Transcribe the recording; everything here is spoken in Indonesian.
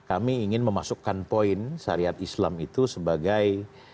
kami ingin memasukkan poin syariat islam itu sebagai